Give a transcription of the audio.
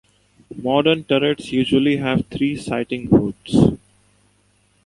Modern turrets usually have three sighting-hoods.